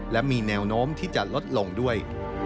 และมีแนวโน้มที่จะลดลงด้วย